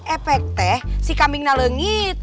epek teh si kambingnya lengit